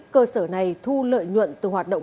cơ sở này thu lợi nhuận từ hoạt động